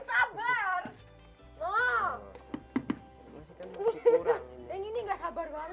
sabar banget nih ya